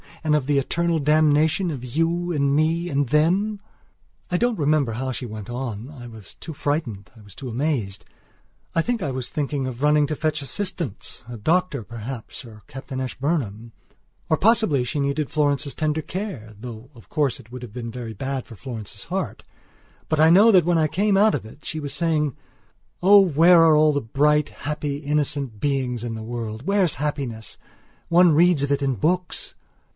And of the eternal damnation of you and me and them... ." I don't remember how she went on; I was too frightened; I was too amazed. I think I was thinking of running to fetch assistancea doctor, perhaps, or Captain Ashburnham. Or possibly she needed Florence's tender care, though, of course, it would have been very bad for Florence's heart. But I know that when I came out of it she was saying: "Oh, where are all the bright, happy, innocent beings in the world? Where's happiness? One reads of it in books!"